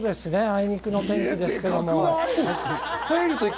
あいにくのお天気ですけども。